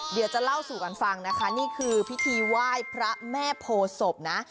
เดี๋ยวจะเล่าสู่กันฟังนะคะนี่คือพิธีไหว้พระแม่โพศพนะ